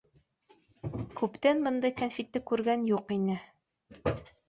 Күптән бындай кәнфитте күргән юҡ ине.